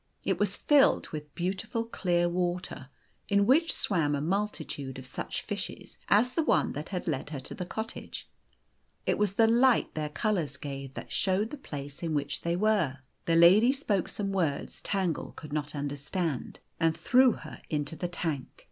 It was filled with beautiful clear water, in which swam a multitude of such fishes as the one that had led her to the cottage. It w r as the lii>'ht their o o colours gave that showed the place in which they were. The lady spoke some words Tangle could not under stand, and threw her into the tank.